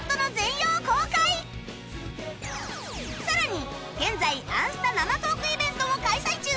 さらに現在『あんスタ』生トークイベントを開催中！